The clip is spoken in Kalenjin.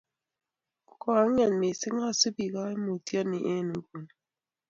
Ko ang'et missing asupi kaimutieni eng inguno.